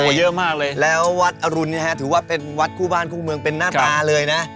เยอะมากเลยแล้ววัดอรุณเนี่ยฮะถือว่าเป็นวัดคู่บ้านคู่เมืองเป็นหน้าตาเลยนะ